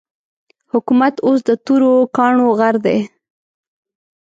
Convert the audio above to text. حکومت اوس د تورو کاڼو غر دی.